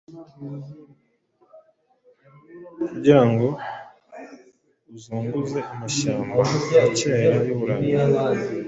Kugira ngo uzunguze amashyamba ya kera y’Uburayi,